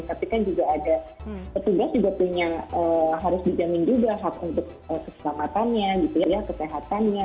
tapi kan juga ada petugas juga punya harus dijamin juga hak untuk keselamatannya gitu ya kesehatannya